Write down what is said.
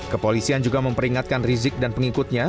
kepolisian juga memperingatkan rizik dan pengikutnya